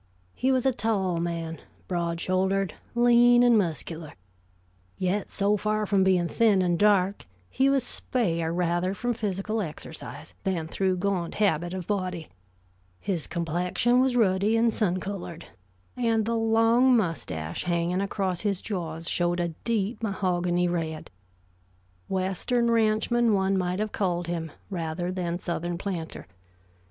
He was a tall man, broad shouldered, lean and muscular; yet so far from being thin and dark, he was spare rather from physical exercise than through gaunt habit of body; his complexion was ruddy and sun colored, and the long mustache hanging across his jaws showed a deep mahogany red. Western ranchman one might have called him, rather than Southern planter.